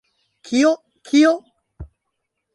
Kio? Kio?